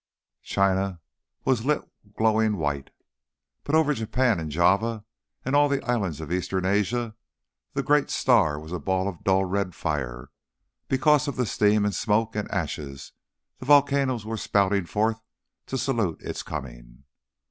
China was lit glowing white, but over Japan and Java and all the islands of Eastern Asia the great star was a ball of dull red fire because of the steam and smoke and ashes the volcanoes were spouting forth to salute its coming.